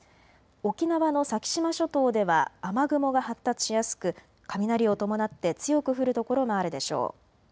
沖縄の先島諸島では雨雲が発達しやすく雷を伴って強く降る所もあるでしょう。